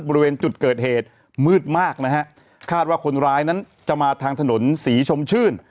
บริเวณจุดเกิดเหตุมืดมากนะฮะคาดว่าคนร้ายนั้นจะมาทางถนนศรีชมชื่น